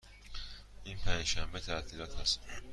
این پنج شنبه تعطیلات است.